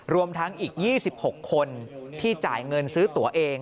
รวมทั้งอีก๒๖คนที่จ่ายเงินซื้อตัวเอง